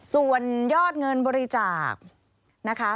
ส่วนยอดเงินบริจาคนะคะ